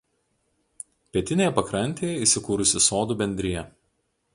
Pietinėje pakrantėje įsikūrusi sodų bendrija.